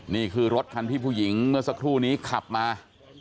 นี่คือรถคันที่ผู้หญิงเมื่อสักครู่นี้ขับมา